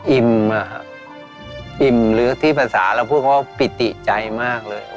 อิ่มอะครับอิ่มหรือที่ภาษาเราพูดเขาว่าปิติใจมากเลย